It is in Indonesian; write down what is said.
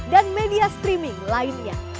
dan media streaming lainnya